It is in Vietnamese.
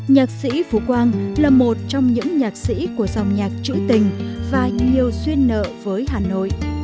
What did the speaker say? nhạc sĩ phú quang là một trong những nhạc sĩ của dòng nhạc trữ tình và nhiều duyên nợ với hà nội